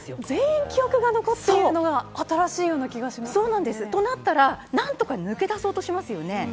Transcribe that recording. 全員記憶が残っているというのが新しいですね。となったら、何とか抜け出そうとしますよね。